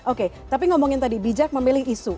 oke tapi ngomongin tadi bijak memilih isu